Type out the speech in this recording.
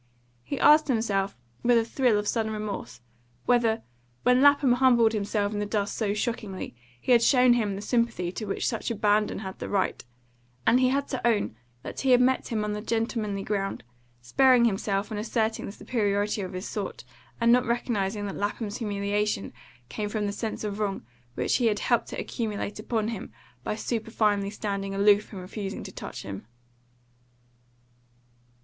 He asked himself, with a thrill of sudden remorse, whether, when Lapham humbled himself in the dust so shockingly, he had shown him the sympathy to which such ABANDON had the right; and he had to own that he had met him on the gentlemanly ground, sparing himself and asserting the superiority of his sort, and not recognising that Lapham's humiliation came from the sense of wrong, which he had helped to accumulate upon him by superfinely standing aloof and refusing to touch him.